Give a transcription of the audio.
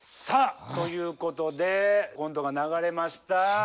さあということでコントが流れました。